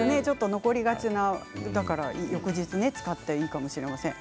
残りがちだから翌日使っていいかもしれません。